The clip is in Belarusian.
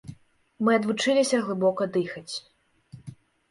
Мы адвучыліся глыбока дыхаць.